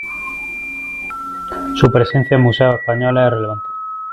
Su presencia en museos españoles es relevante.